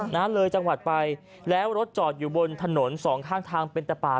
นั้นเลยจังหวัดไปแล้วรถจอดอยู่บนถนนสองข้างทางเป็นแต่ป่า